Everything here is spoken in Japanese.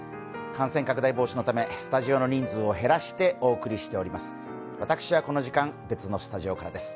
感染拡大防止のためスタジオの人数を減らしてお送りしております。